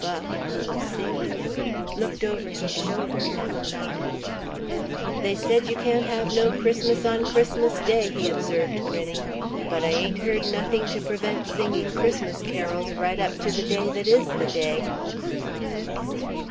Buff, who was singing it, looked over his shoulder, and nodded. "They said you can't have no Christmas on Christmas Day," he observed, grinning, "but I ain't heard nothing to prevent singing Christmas carols right up to the day that is the day."